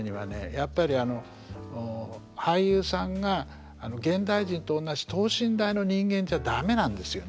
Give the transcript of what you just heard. やっぱり俳優さんが現代人とおんなじ等身大の人間じゃだめなんですよね。